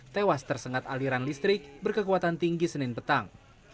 tewas tersengat aliran listrik berkekuatan tinggi senin petang